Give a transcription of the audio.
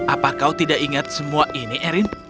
apa kau tidak ingat semua ini erin